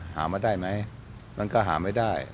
หามาได้ไหมมันก็หาไม่ได้